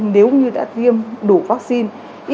nếu như đã tiêm đủ vaccine